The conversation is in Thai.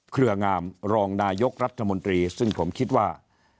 เครืองามรองนายกรัฐมนตรีซึ่งผมคิดว่า